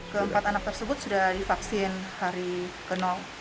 keempat anak tersebut sudah divaksin hari ke